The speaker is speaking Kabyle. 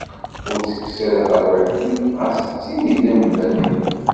Ur ttekkes ara tarwiḥt-iw, ɣas d tin idenben.